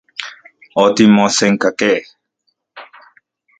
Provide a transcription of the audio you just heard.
Otimosenkajkej.